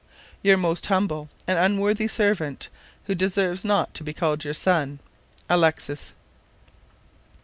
"Your most humble and unworthy servant, who deserves not to be called your son, "ALEXIS."